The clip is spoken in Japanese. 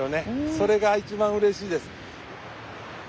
それが一番うれしいです。